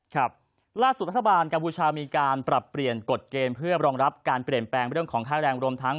ครับล่าสุดรัฐบาลกัมพูชามีการปรับเปลี่ยนกฎเกณฑ์เพื่อรองรับการเปลี่ยนแปลงเรื่องของค่าแรงรวมทั้ง